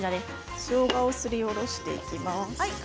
しょうがをすりおろしていきます。